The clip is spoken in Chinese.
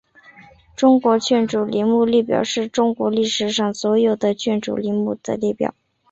中国君主陵墓列表是中国历史上所有的君主陵墓的列表。